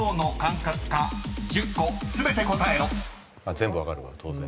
全部分かるわ当然。